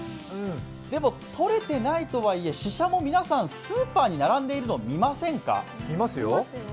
でも取れてないとはいえ、ししゃも、皆さんスーパーに並んでいるのを見ませんか？